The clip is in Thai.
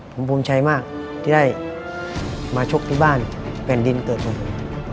ผมภูมิใจมากที่ได้มาชกที่บ้านแผ่นดินเกิดของผม